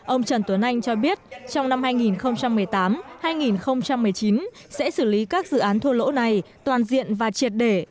ông trần tuấn anh cho biết trong năm hai nghìn một mươi tám hai nghìn một mươi chín sẽ xử lý các dự án thua lỗ này toàn diện và triệt để